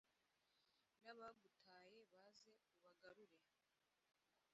n'abagutaye baze, ubagarure